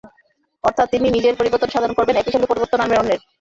অর্থাৎ তিনি নিজের পরিবর্তন সাধন করবেন, একই সঙ্গে পরিবর্তন আনবেন অন্যের।